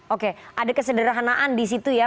oke ada kesederhanaan di situ ya